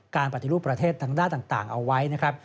ปฏิรูปประเทศทางด้านต่างเอาไว้นะครับ